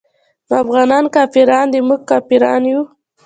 نو افغانان کافران دي موږ کافران يو.